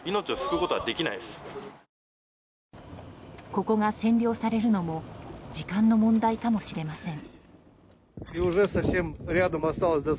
ここが占領されるのも時間の問題かもしれません。